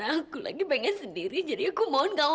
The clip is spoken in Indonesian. ini benda ampuh